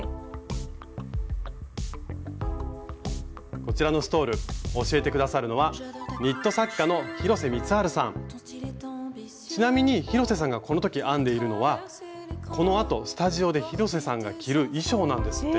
こちらのストール教えて下さるのはちなみに広瀬さんがこの時編んでいるのはこのあとスタジオで広瀬さんが着る衣装なんですって。